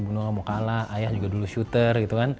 bu noah mau kalah ayah juga dulu shooter gitu kan